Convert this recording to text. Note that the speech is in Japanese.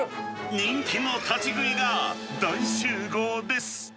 人気の立ち食いが大集合です。